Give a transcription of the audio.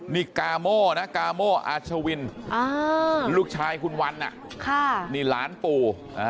นี่กาโม่นะกาโม่อาชวินลูกชายคุณวันนี่หลานปู่